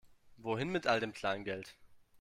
Wohin mit all dem Kleingeld?